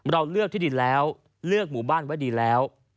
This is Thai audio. เราเลือกที่ดินแล้วเลือกหมู่บ้านไว้ดีแล้ว